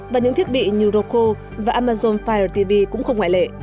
và những thiết bị như roku và amazon fire tv cũng không ngoại lệ